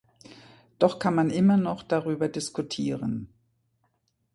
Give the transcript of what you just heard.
Doch kann man immer noch darüber diskutieren.